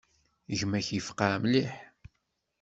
Gma-k yefqeɛ mliḥ.